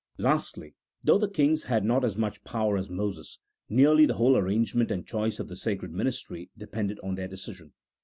Lastly, though the kings had not as much power as Moses, nearly the whole arrangement and choice of the sacred ministry depended on their decision.